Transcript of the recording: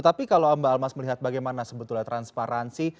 tapi kalau mbak almas melihat bagaimana sebetulnya transparansi